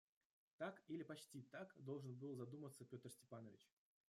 Так или почти так должен был задуматься Петр Степанович.